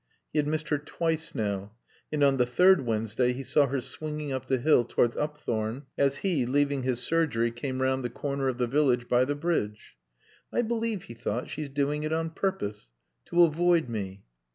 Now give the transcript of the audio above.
He had missed her twice now. And on the third Wednesday he saw her swinging up the hill toward Upthorne as he, leaving his surgery, came round the corner of the village by the bridge. "I believe," he thought, "she's doing it on purpose. To avoid me."